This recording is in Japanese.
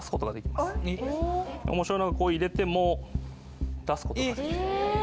面白いのがこう入れても出すことができる。